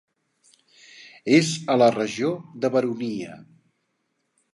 És a la regió de Baronia.